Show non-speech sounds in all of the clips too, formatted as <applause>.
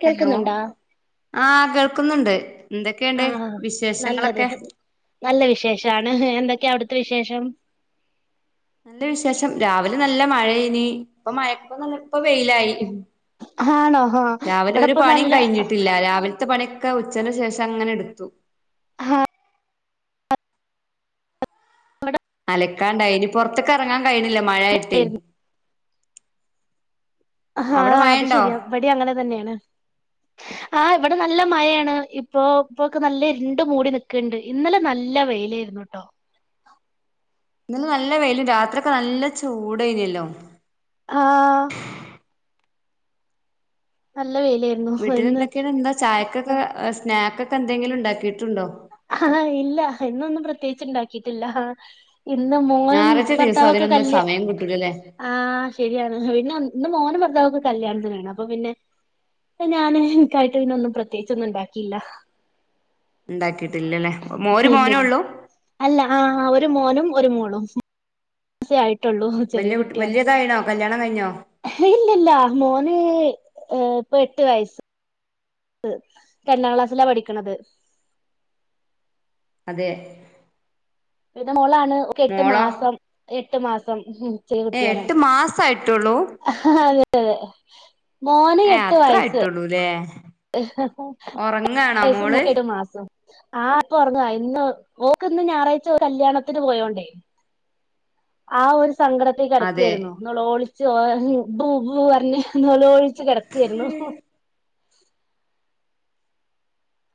കേൾക്ന്ന്ണ്ടാ ആഹ കേൾക്കുന്നുണ്ട് എന്തൊക്കെയുണ്ട് ആഹ ഹാ നല്ലത് വിശേഷങ്ങളൊക്കെ നല്ല വിശേഷാണ് എന്തക് ക്കെ അവ്ട്ത്തെ വിശേഷം നല്ല വിശേഷം രാവിലെ നല്ല മഴനി ഇപ്പ മഴപ്പുന്നുല്ല ഇപ്പ വെയിലായി ആഹാ ഹാണോ? രാവിലെ ഒരു പണിം കഴിഞ്ഞിട്ടില്ല. രാവിൽത്തെ പണിയൊക്കെ ഉച്ചന്റെ ശേഷം അങ്ങനെട്ത്തു. ഹ ഹാ അലക്കാണ്ടഅയ്നി പൊർത്ക്ക് റങ്ങാൻ കഴിണ് യായിട്ട് അഹാ ആഹ അത് ശെരിയാ ബടി അങ്ങനെ തന്നെയാണ് ആഹ് ഇവിടെ നല്ല മഴാണ് ഇപ്പോ ഇപ്പോക്ക് നല്ല ഇരുണ്ട് മൂടി നിക്ക്ണ്ട് ഇന്നലെ നല്ല വെയിലേര്ന്നു ന്നുട്ടോ ഇന്നു നല്ല വെയിലും രാത്രിയൊക്കെ നല്ല ചൂടെയ്ന്നല്ലോ ആഹാ നല്ല വെയിലായിരുന്നു ഇന്ന് വീട്ടിലെന്തൊക്കെണ് ന്ന് ചായക്കൊക്കെ സ്നാക്ക്ക്കെ എന്തെങ്കിലുണ്ടാക്കി അഹ് ഇല്ല ഇന്നൊന്നും പ്രത്യേകിച്ച് ഇണ്ടാക്കിട്ടില്ല. ഇന്ന് മോനും ഞായറാഴ്ച ദിവസം ഭർത്താവൊക്കെ അതിനൊന്നും ഒരു കല്ല്യ സമയം കിട്ടൂലല്ലേ ആ ശരിയാണ് പിന്നെ ഒ ഇന്ന് മോനും ഭർത്താവൊക്കെ കല്യാണത്തിനാണ് അപ്പൊ പിന്നെ പിന്നെ ഞാന്ൻക്കായിട്ട് പിന്നൊന്നും പ്രത്യേകിച്ചൊന്നുണ്ടാക്കിയില്ല ണ്ടാക്കിട് ഇല്ല ല്ല അല്ല ആഹ ഒരു മോനും ഒരു മോളും <unintelligible> ട്ടുള്ളൂ ചെറിയ വല്യ കുട്ടി കുട്ടിയാണ്. വല്യതായിണോ കല്യാണം കഴിഞ്ഞോ ഹേ ഇല്ലല്ല മോന് അ് ഏഹ് ഇപ്പൊ എട്ട് വയസ്സ് ത് രണ്ടാം ക്ലാസ്സിലാ പഠിക്ക്ണത്. അതെ, വിടെ മോളാണ്. ഓക് എട്ട് മോളോ മാസം എട്ട് മാസം ഹും ചെറിയ ഏ കുട്ടിയാണ് എട്ട് മാസായിട്ടുള്ളൂ ഹഹാ അതെ അതെ മോന് ഏ എട്ട് അത്ര വയസ്സ് ആയിട്ടുള്ളൂല്ലേ <unintelligible> ഉറങ്ങാണോ മോള് എട്ട് മാസം ആഹ പ്പൊ ഉറങ്ങാ ഇന്ന് ഓക്ക് ഇന്ന് ഞായറാഴ്ച കല്യാണത്തിന് പോയോണ്ടേ ആഹ ഒര്ത് സങ്കടത്തിൽ അതെ ക്കെടക്കായിരുന്നു നോ ലോളിച്ച് ഓ ഹ് ബു ബൂ അറഞ്ഞഞ് നോ ലോളി ച്കെടക്കാരുന്നു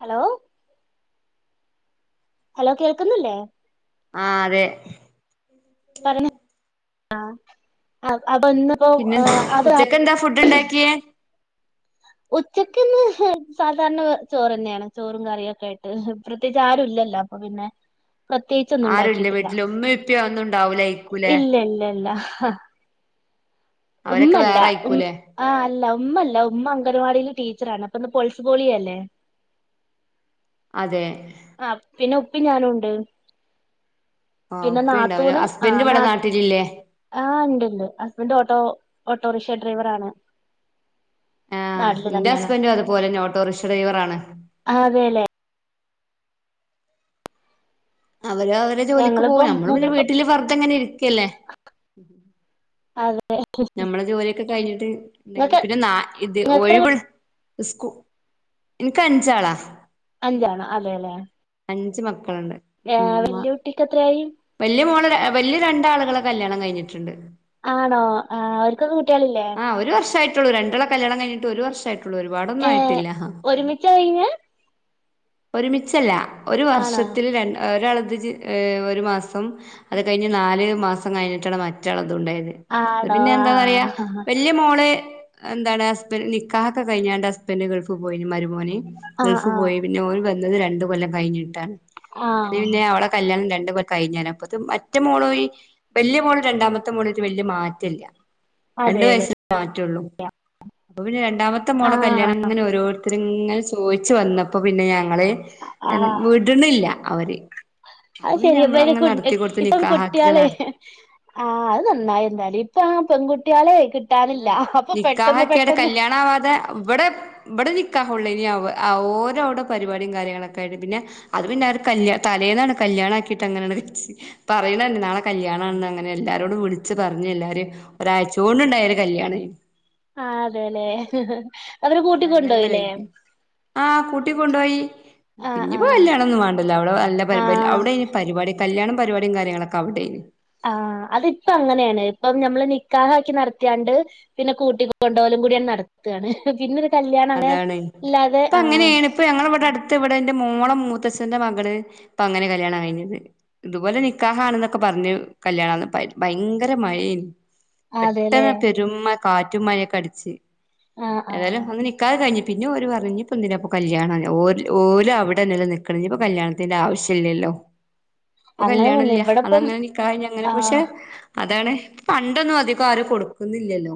ഹലോഓ ഹലോ, കേൾക്കുന്നില്ലേ? ആഹ, അതെ, ആ അപോന്ന്പ്പോ പിന്നെ അഹ ഉച്ചക്ക് എന്താ <unintelligible> <unintelligible> ഉച്ചക്ക്ന്ന് സാധാരണ ചോറന്നേണ് ചോറും കറിയും ഒക്കെ ആയിട്ട് പ്രത്യേകിച്ച് ആരുല്ല ല്ലപ്പൊ പിന്നെ ആരുല്ല പ്രത്യേകിച്ചൊന്നുണ്ടാക്കിട്ടില്ല വീട്ടില് ഉമ്മ ഇപ്പ ഒന്നും ഉണ്ടാവൂലയിക്കൂലേ ഇല്ല ഇല്ല ഇല്ല ഹ അവരൊക്കെ ഉമ്മല്ല വേറെ ഉം ആയിക്കൂലേ ആ അല്ല ഉമ്മല്ല ഉമ്മ അംഗണവാടീല് ടീച്ചറാണ് അപ്പൊ ന്ന് <unintelligible> അതെ ആ പിന്നെ ഉപ്പി ഞാനുണ്ട് ആ പിന്നെ ഉപ്പ ഉണ്ടാവൂല നാത്തൂനും ആ ഹസ്ബൻഡ് ഇവിടെ ന്നാ നാട്ടിലില്ലേ ആ ണ്ട് ണ്ട് ഹസ്ബൻ്റ് ഓട്ടോ ഓട്ടോറിക്ഷ ഡ്രൈവർ ആണ് ആ നാട്ടില് എന്റെ തന്നെണ് ഹസ്ബൻഡും അതുപോലെന്നെ ഓട്ടോറിക്ഷ ഡ്രൈവറാണ് ആ അതെ ലെ അവര് അവരെ ജോലിക്ക് ഞങ്ങളിപ്പോ പോവും നമ്മള് പിന്നെ മൂപ്പരിപ്പോ വീട്ടില് വെർതങ്ങനിരിക്കല്ലേ അതെ നമ്മളെ ജോലിയൊക്കെ കഴിഞ്ഞിട്ട് ണ്ടെങ്കിൽ ഇങ്ങക്ക് പിന്നെ നാ ഇത് ഇങ്ങക്ക് എത്ര കു- ഒയ്വ്ൾ സ്കു നിക്കഞ്ചാളാ അഞ്ചാണ് അതെ ലേ <unintelligible> ഉമ്മ എത്രയായി വെല്ല്യെ മോള് ആ വെല്ല്യെ രണ്ടാളുകളെ കല്ല്യാണം കഴിഞ്ഞിട്ട്ണ്ട് ആണോ ആ അവര്ക്കൊക്കെ കു ആ ഒരു വർഷായിറ്റൊള്ളൂ രണ്ടാള കല്ല്യാണം കഴിഞ്ഞിട്ടു ഒരു വർഷായ് റ്റൊള്ളു ഒരുപാടൊന്നു ഏഹ് ആയിട്ടില്ല ഒരുമിച്ചാ കഴിഞ്ഞെ ഒരുമിച്ചല്ല ഒരു ആണോ വർഷത്തില് രൺ ഒരാൾ <unintelligible> ഒരു മാസം അത് കഴിഞ്ഞ് നാല് മാസം കഴിഞ്ഞിട്ടാണ് മറ്റാള ഉണ്ടായത് അത് ആണോ പിന്നെ എന്താ പറയാ ആഹ് വല്യ മോള് എന്താണ് ഹസ്ബൻ നിക്കാഹൊക്കെ കഴിഞ്ഞാണ്ട് ഹസ്ബന്റ് ഗൾഫ് പോയിന് മരുമോന് ആഹ് ഗൾഫ് ആഹ് പോയി പിന്നെ ഓല് വന്നത് രണ്ട് കൊല്ലം കഴിഞ്ഞിട്ടാണ് അങ്ങനെ ആഹ് പിന്നെ ഓലെ കല്ല്യാണം രൺ <unintelligible> കഴിഞ്ഞാണ് അപ്പതും ഒറ്റ മോളോ ഈ വെല്യെ മോളും രണ്ടാമത്തെ മോനു അയ്റ്റ് വെല്യെ മാറ്റല്ല രണ്ടു അതെല്ലേ വയസ്സി <inaudible> മാറ്റൊള്ളു അപ്പൊ പിന്നെ രണ്ടാമത്തെ മോളെ ആഹ് കല്ല്യാണങ്ങനെ ഓരോരുത്തര്ങ്ങനെ ചോയ്ച്ചു വന്നപ്പോ പിന്നെ ഞങ്ങള് എർ ആഹ് വിട്ണില്ല അവര് അത് അപ്പൊ പിന്നെ ശരിയ നമ്മള് വെല്യെ അങ്ങനെ <unintelligible> നടത്തി കൊടുത്ത് ഇപ്പം നിക്കാഹാക്കി കുട്ടിയേളെയ് നട ആ അത് നന്നായി ണ്ട് എല്ലെ ഇപ്പ പെൺകുട്ടിയേളെ ആ നിക്കാഹക്കിയാട് കല്യാണാവാതെ വടെ വടെ നി ക്കാഹൊള്ളെയ്‌നി അവ് അ ഓരവ്‌ടെ പരിപാടിം കാര്യങ്ങളൊക്കായിട്ട് പിന്നെ അത് പിന്നെ അത് കല്ല്യ തലേന്നാണ് കൽ ല്ല്യാണാക്കീട്ടങ്ങനണ്ട് വെച്ച് പറയ്ണ ന്നാളെ കല്ല്യാണാണ്ന്ന് അങ്ങനെ എല്ലാരോടും വിളിച്ച് പറഞ്ഞ് എല്ലാരിം ഒരാഴ്ച്ചോണ്ട് ണ്ടായൊരു കല്ല്യാണെയ്‌നി ആ അതേലേ അവര് അതങ്ങനെയാണ്ട് കൂട്ടിക്കൊണ്ടോയിലേ കഴിഞ്ഞ് ആഹ് കൂട്ടി കൊണ്ടോയി പി ആഹ് ഞ്ഞി പ്പോ ആഹ് കല്ലാണൊന്നും വാണ്ടലൊ അവ്ടെ അല്ല ബൽ ബൽ ആഹ് അവ്ടെ എയ്നി പരിപാടി കല്ല്യാണം പരിപാടിം കാര്യങ്ങളൊക്കവ്ടെയ്നി ആ അതിപ്പങ്ങനെണെയ് പ്പ ഞമ്മള് നിക്കാഹാക്കി നടത്തിയാണ്ട് പിന്നെ കൂട്ടിക്കൊണ്ടോവല് ങ്കൂടിയണ്ട് നടത്ത് ആണ് പിന്നെ <unintelligible> അതാണെയ് പ്പങ്ങനെണ് പ്പ ഞങ്ങളെ വടെ അട്ത്ത് വടെ ന്റെ മോളെ മൂ കസ്സിൻ്റെ മകള് പ്പൊ അങ്ങനെ കല്ല്യാണം കയ്ഞ്ഞത് ഇതുപോലെ നിക്കാഹാണ് ന്നൊക്കെ പർഞ്ഞു കല്യാണ <unintelligible> ഭയങ്കര മഴേനി അതെല്ലേ പെട്ടെന്ന് പെരുംമ കാറ്റും മയെക്കടിച്ച് ആഹ് ഏതായാലും ആഹ് അന്ന് നി അ കയ്ഞ്ഞ് പിന്നെ ഓര് പർഞ്ഞ് ഞ്ഞ് പ്പൊ എന്തിനാ പ്പ കല്ല്യാണന്ന് ഓൽ ഓലവ്ടെ നിലനിർക്ക്ണ് ഞ്ഞി പ്പൊ കല്യാണത്തിന്റെ ആവശ്യ ല്ലെല്ലോ പ്പൊ അങ്ങനെ തന്നെ കല്ല്യാണല്ല ഇവിടെപ്പം അതങ്ങനെ നിക്കാഹെഴിഞ്ഞങ്ങനെ പക്ഷെ ആഹ് അതാണ് പണ്ടൊന്നു അധികാരു കൊടുക്കുന്നില്ലല്ലോ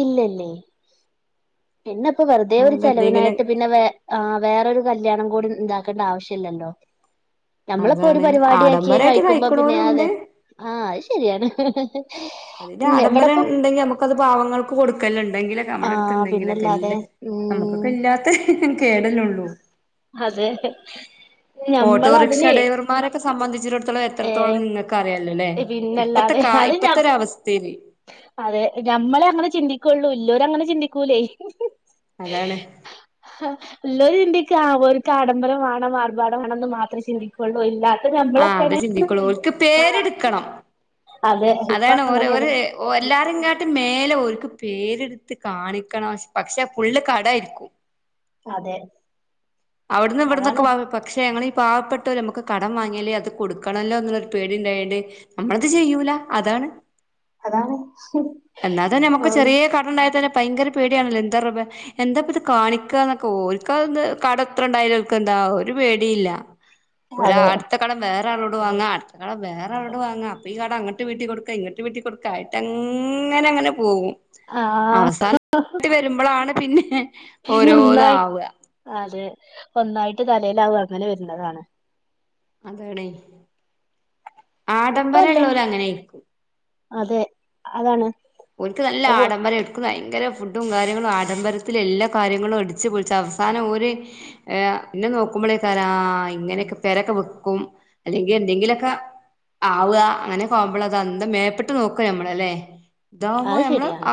ഇല്ലല്ലെ പിന്നെ പ്പൊ വെറുതെ ഒരു ആകെ എന്തെങ്കിലും ചെലവിനായിട്ട് പിന്നെ വെ ആ വേറൊരു കല്ല്യാണം കൊടും ണ്ടാക്കണ്ട ആവശ്യല്ലല്ലോ നമ്മളിപ്പൊ ഒരു അതാണ് പരുവാടി ആക്കി അത് ആഡംബരായിട്ട് കഴിക്കുമ്പോ പിന്നെ ആ കഴിക്കണോരുണ്ട് ലെ ആ അത് ശരിയാണ് അതിന്റെ ഉം ആഡംബരം ഇവിടെപ്പം ണ്ടെങ്കി ഞമ്മക്കത് പാവങ്ങൾക്ക് കൊടുക്കല്ണ് ന്തെങ്കിലൊക്കെ നമ്മളട്ത്ത് ആഹ് ണ്ടെങ്കിലൊക്കെ എല്ല പിന്നല്ലാതെ ഉം നമ്മക്കൊക്കെ ഇല്ലാത്ത കേടല്ലെ ഒള്ളൂ അതെ ഓട്ടോറിക്ഷ ഞമ്മളതിലേ ഡ്രൈവർമാരൊക്കെ സംബന്ധിച്ചിടത്തോളം എത്രത്തോളം ഏഹ് നിങ്ങക്കറിയാ ല്ലേ ഇപ്പത്തെ പിന്നല്ലാതെ കാ അത് ഞ ഇപ്പത്തൊരവസ്ഥേല് അതെ ഞമ്മളെ അങ്ങനെ ചിന്തിക്കൊള്ളൂ ഇള്ളോരങ്ങനെ ചിന്തിക്കൂലേ അതാണ് ആ ഇള്ളോല് ചിന്തി ക്കാ ഓര്ക്കാഡംബരം മാണം ആർഭാടം മാണംന്ന് മാത്രേ ചിന്തിക്കൊള്ളൂ എല്ലാരും ആ അതെ ചിന്തിക്കൊള്ളൂ ഓൽക്ക് പേരെടുക്കണം അതെ ഇപ്പൊ അതാണ് ഓരോ അങ്ങനെയാണ് ഒര് ഓ എല്ലാരെങ്ങാട്ടും മേലെ ഓര്ക്ക് പേരെട്ത്ത് കാണിക്കണം പക്ഷെ ഫുള്ള് കടായിരിക്കും അതെ അവിട്ന്ന് ഇവിട്ന്നൊക്കെ അതാണ് വാങ്ങും പക്ഷെ ഞങ്ങളി പാവപ്പെട്ടോര് നമ്മക്ക് കടം വാങ്ങിയാലെ അത് കൊടുക്കണല്ലോ എന്നുള്ളൊരു പേടി ഇണ്ടായോണ്ട് നമ്മളത് ചെയ്യൂല അതാണ് അതാണ് എന്നാ തന്നെ നമക്ക് ഓര് ചെറീയെ കടണ്ടായ തന്നെ ഭയങ്കര പേടിയാണല്ലോ എന്താ റബ്ബെ എന്താപ്പത് കാണിക്കാന്നൊക്കെ ഓൽക്കാന്ന് കടം എത്ര ഇണ്ടായാലും ഓൽക്കെന്താ ഒരു പേടില്ല ഓല് അതെ അടുത്ത കടം വേ വേറാളോട് വാങ്ങ അടാത്ത കടം വേറാളോട് വാങ്ങ അപ്പൊ ഈ കടം അങ്ങോട്ട് വീട്ടി കൊട്ക്ക ഇങ്ങോട്ട് വീട്ടി കൊടുക്കായിട്ടങ്ങ നെങ്ങനെ പോകും ആഹ് അവസാനം ഒന്നായിട്ട് വരുമ്പളാണ് പിന്നെ പിന്ന ഒന്നായി ഓരോന്നാവുക അതെ ഒന്നായിട്ട് തലയിലാവും അങ്ങനെ വരുന്നതാണ് അതാണ് ഇപ്പ അല്ലെങ്കി ആഡംബരംള്ളോല് അങ്ങനായിരിക്കും അതെ അതാണ് ഓൽക്ക് നല്ല ഓ ആഡംബരാണ് ഓൽക്ക് ഭയങ്കര ഫുഡും കാര്യങ്ങളും ആഡംബരത്തില് എല്ലാ കാര്യങ്ങളും അടിച്ച്പൊളിച്ച് അവസാനം ഓര് ഏഹ് എന്നെ നോക്കു മ്പളേക്കാരം ആ ഇങ്ങനൊക്കെ പെരൊക്കെ വിക്കും അല്ലെങ്കി എന്തെങ്കിലൊക്കാ ആവ്വാ അങ്ങനൊക്കാവുമ്പള അത് അന്ത മേപ്പെട്ട് നോക്ക നമ്മളല്ലേ ഇതാവുമ്പോ അത് നമ്മള് ശരിയാണ് ആ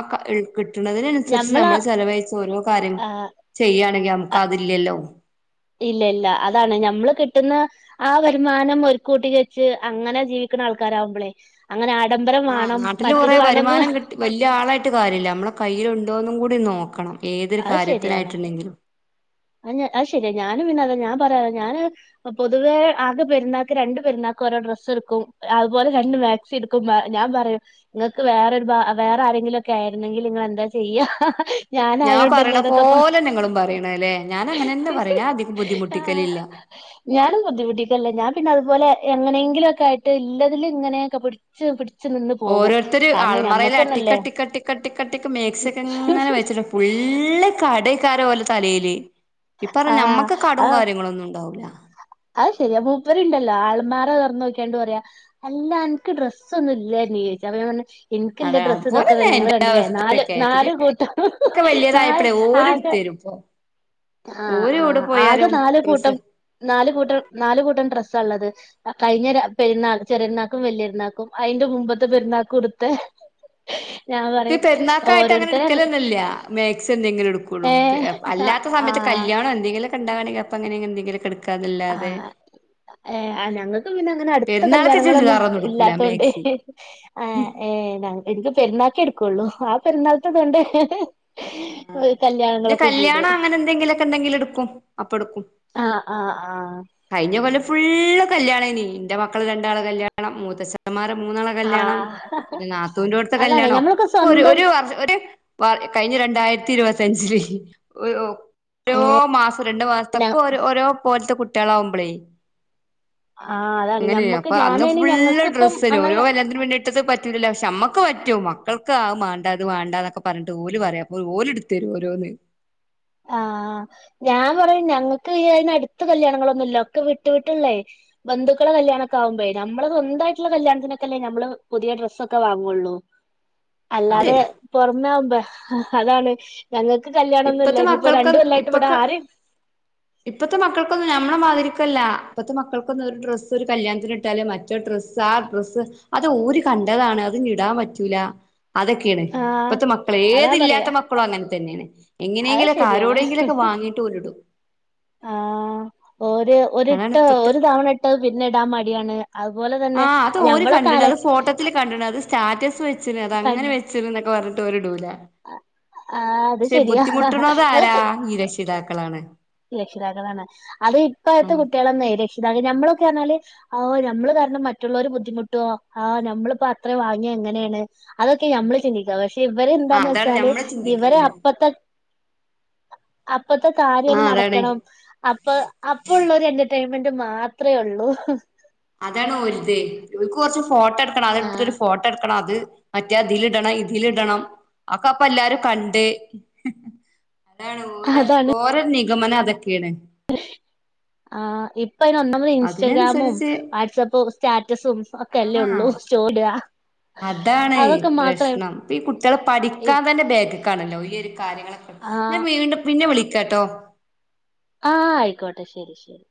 കിട്ടണതിനനുസരിച്ച് ഞമ്മള് നമ്മള് ചെലവഴിച്ച് ഓരോ കാര്യം ആ ചെയ്യയാണെങ്കി നമ്ക്ക് അതില്ലല്ലോ ഇല്ല ഇല്ല അതാണ് ഞമ്മള് കിട്ടുന്ന ആ വരുമാനം ഒരു കൂട്ടി വെച്ച് അങ്ങനെ ജീവി ക്ക്ണ ആൾകാരാവുമ്പളെ ആഹ് നാട്ടില് കൊറെ വരുമാനം കിട്ടി വല്യ ആളായിട്ട് കാര്യല്ല നമ്മെളെ കയ്യിലുണ്ടോന്നും കൂ ടി നോക്കണം ഏതൊരു കാര്യത്തിനായിട്ടുണ്ടെങ്കിലും അ അത് ശെരിയാ ഞാനും പിന്നെ അതാ ഞാൻ പറയാ ഞാന് പൊതുവേ ആകെ പെരുന്നാക്ക് രണ്ട് പെരുന്നാ ക്കോരോ ഡ്രെസ്ട്ക്കും അതുപോലെ രണ്ട് മാക്സിട്ക്കും ഞാൻ പറയും ഇങ്ങൾക്ക് വേറെരു ഭാ വേറാര ങ്കിലൊക്കെ ആയിരുന്നെങ്കില് ഇങ്ങള് എന്താ ചെയ്യാ ഞാൻ പറിണ ഞാനായോണ്ടല്ലേ എന്നൊക്കെ പറ പോലന്നെ ഇങ്ങളും പറിണെ ല്ലെ ഞാന് അങ്ങനെന്നാ പറയും ഞാൻ അധികം ആഹ് ബുദ്ധിമുട്ടിക്കലില്ല ഞാനും ബുദ്ധിമുട്ടിക്കല്ല ഞാൻ പിന്നെ അതുപോലെ എങ്ങനെങ്കിലൊക്കായിട്ട് ഇല്ലതില് ഇങ്ങനൊക്കെ പിട്ച്ച് പിട് ഓരോര്ത്തര് അൾമറീല് അട്ടിക്കട്ടിക്കട്ടിക്കട്ടിക്ക് മേക്സിക്കങ്ങനെ വെച്ചിട്ടുണ്ടാവും ഫു ള്ള് കടെക്കാരം ഓലെ തലേല് ഈ പറഞ്ഞ ആഹ് നമ്മക്ക് കടും ആഹ് കാര്യങ്ങളൊന്നും ഇണ്ടാവൂല അത് ശരിയാ മൂപ്പരുണ്ടല്ലോ ആൾമാറ തൊറന്നോക്കാണ്ട് പറയാ അല്ല അൻക്ക് ഡ്രസ്സൊന്നുല്ലണ്ണീ ജപ്പം ഞാ പർഞ്ഞ് അത എനക്ക്ല്ല ഡ്രസ്സ് ഇതൊക്കെ അതുപോലെന്നെ തന്നെ ഞങ്ങള് എന്റെ കണ്ടില്ലെ നാല് അവസ്ഥയൊക്കെ പിന്നെ നാല് കൂട്ടം നാല് ആകെ ച്ചോ ആ ആ ആകെ നാല് കൂട്ടം ഡ്രസ്സ് നാ ല് കൂട്ടം നാല് കൂട്ടം ഡ്രസ്സാള്ളത് അ കഴിഞ്ഞൊര പെര്ന്നാൾ ചെറിയെര്ന്നാക്കും വല്യര്ന്നാക്കും ഐന്റൊമു മുമ്പത്തെ പെരുന്നാക്കുട്ത്തെ ഇൻക്ക് പെര്ന്നാക്കായിട്ട് അങ്ങനെ ഇട്ക്കലൊന്നുല്ല മേക്സി എന്തെങ്കിലുട്ക്കുള്ളൂ ത് ഏഹ് അല്ലാ <unintelligible> ആഹ് കല്യാണൊ എന്തെങ്കിലൊക്കെ ഇണ്ടാവാണെങ്കില് അപ്പങ്ങനെന്തങ്കിലൊക്കെ ഇട്ക്കാന്നല്ലാതെ ഏ അ ഞങ്ങൾക്ക് പിന്നെ അങ്ങനെ അടുത്ത കല്യാണങ്ങളൊന്നും ചുരിദാറൊന്നും എടുക്കൂല ഇല്ലാത്തോണ്ട് മാക്സി ആ ഏ ഏ ഞ എനിക്ക് പെരുന്നാക്കെ എട്ക്കൊള്ളൂ, ആ പെരുന്നാളത്തെതോണ്ട് പിന്നെ കല്യാണം അങ്ങനെ എന്തെങ്കിലൊക്കെണ്ടങ്കില് ഇട്ക്കും, അപ്പട്ക്കും. ആ ആ ആഹ്. <unintelligible> കല്യാണേനി, ഇന്റെ മക്കളെ രണ്ടാളെ കല്യാണം, മൂത്തച്ഛന്മാരെ മൂന്നാളെ കല്യാണം ആഹ് പിന്നെ നാത്തൂന്റോട്ത്തെ അതാണ് കല്യാണം, ഞമ്മളൊക്കെ ഒക്കെ ഒരു ഒര് സ്വന്തം വർ കഴിഞ്ഞ രണ്ട് <unintelligible> ത്തി ഇരുപത്തിയഞ്ചില് <unintelligible> ഓരോ മാസം രണ്ടു മാസത്തൊക്കെ ഓരോ ഓരോ പോലത്തെ കുട്ടിയാളാവുമ്പളെ ആഹ് അതാണ് അങ്ങനെയ ഞമ്മക്ക് അപ്പൊ അന്ന് ഞാനയ്ന് ഫുള്ള് ഞങ്ങക്കിപ്പം ഡ്രസ്സെനു, അങ്ങനെ ഓരോ കല്യാണത്തിനും വേണ്ടി ഇട്ത്തത് പറ്റൂലല്ലോ, പക്ഷെ അമ്മക്ക് പറ്റൂ മ <unintelligible> അഅ് മാണ്ടാ, ഇത് മാണ്ടാന്നൊക്കെ പർഞ്ഞ്ട് ഓല് പറയാ, അപ്പൊ ഓല്ട്ത്തെരും ഓരോന്ന് ആഹ്, ഞാൻ പറയും ഞങ്ങക്ക് ഈ അതിന് അടുത്ത കല്യാണങ്ങളൊന്നുംല്ല, ഒക്കെ വിട്ടു വിട്ടുള്ളേ ബന്ധുക്കള കല്യാണൊക്കെ ആകുമ്പഴേ, നമ്മളെ സ്വന്തായ്ട്ട്ള്ള കല്യാണത്തിനൊക്കെല്ലേ നമ്മള് പുതിയ ഡ്രസ്സൊക്കെ വാങ്ങൊള്ളൂ. അതെ അല്ലാതെ പൊറമെ ആകുമ്പ, അതാണ് ഞങ്ങക്ക് കല്യാണൊന്നുംല്ല ഇപ്പത്തെ മക്കൾക്ക് രണ്ട് കൊല്ലായിട്ട് ഇവിടെ ഇപ്പൊക്കെ ആര് ഇപ്പത്തെ മക്കൾക്കൊന്നും നമ്മളെ മാതിരിക്കല്ല. ഇപ്പത്തെ മക്കൾക്കൊന്നും ഒരു ഡ്രസ്സ് ഒരു കല്യാണത്തിന് ഇട്ടാല്, മറ്റൊരു ഡ്ര ആ ഡ്രസ്സ്, അത് ഓര് കണ്ടതാണ് അത് ഞ്ഞ് ഇടാൻ പറ്റൂല അതൊക്കേണ് ആഹ് ഇപ്പത്തെ മക്കള് അതാ ഏത് പറയാ ഇല്ലാത്ത മക്കളു അങ്ങൻതന്നേണ്. അത് എങ്ങനെയെങ്കിലൊക്കെ ശരിയാണ് ആരോടെങ്കിലൊക്കെ വാങ്ങീട്ട് ഓല്ടും. ആഹ് ഒര് ഒരിട്ട അതാണ് ഇപ്പത്തെ ഒര് തവണ ഇട്ടാ അത്പിന്നെ ഇടാൻ മടിയാണ്. അതുപോലെ തന്നെ ആഹ് അത് ഓര് ഞമ്മളൊക്കെ കണ്ടിണ് അത് അലക്കി ഫോട്ടത്തില് കണ്ട്ണ്, അത് സ്റ്റാറ്റസ് വെച്ച്ണ്, അത് കൺ അങ്ങനെ വെച്ച്ണ്ന്നൊക്കെ പറഞ്ഞ്ട്ട് ഓല്ടൂല. ആഹ് അത് പക്ഷെ ശരിയാ ബുദ്ധിമുട്ട്ണത് ഇങ്ങള് ആരാ ഈ രക്ഷിതാക്കളാണ്. രക്ഷിതാക്കളാണ്. അത് ഇപ്പഴത്തെ ഉം കുട്ടികളന്നെ രക്ഷിതാക്ക നമ്മള് <unintelligible> അഅ് നമ്മള് കാരണം മറ്റുള്ളവര് ബുദ്ധിമുട്ടോ, ആഹ് നമ്മളിപ്പോ അത്ര വാങ്ങിയാ എങ്ങനേണ് അതൊക്കെ ഞമ്മള് ചിന്തിക്ക. പക്ഷെ ഇവര് ആഹ് എന്താന്ന് അതാണ് വെച്ചാല്, ഞമ്മള് ഇവരെ ചിന്തിക്കുന്നെ അപ്പത്തെ ത്തെ കാര്യണ് ആഹ് അതാണ് നടക്കണം. അപ്പൊ അപ്പള്ളൊര് എ മെന്റ് മാത്രേ ഉള്ളൂ. അതാണ് ഒര്ത്. ഇൻക്ക് കൊർച്ച് ഫോട്ടോ എടുക്കണം, അത് ആ ഇട്ത്തിട്ടൊരു ഫോട്ടട്ക്കണം അത് മറ്റേ അതിലിടണം, ഇതിലിടണം. ഇട അക്കെ അപ്പൊ എല്ലാരും കണ്ട് അതാണ് ഓരെ ഓരെ നിഗമനതൊക്കെ ആഹ് ഇപ്പൊ <unintelligible> ഇൻസ്റ്റഗ്രാമും, അതിനനുസരിച്ച് വാട്സപ്പും സ്റ്റാറ്റസും ഒക്കെ അല്ലേ ഉള്ളൂ സ്റ്റോറിടാ അതാണെയ് പ്രശ്നം. ഈ കുട്ട്യാള് പഠിക്കാൻ തന്നെ ബേക്ക്ക്കാണല്ലോ ഈയൊര് ആ ഞാൻ വീണ്ടും പിന്നെ വിളിക്കാട്ടോ ആഹ് ആയിക്കോട്ടെ ശരി ശരി.